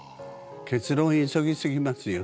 結論を急ぎ過ぎますよ